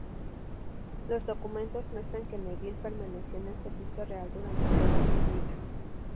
Los documentos muestran que Neville permaneció en el servicio real durante toda su vida.